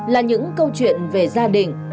là những câu chuyện về gia đình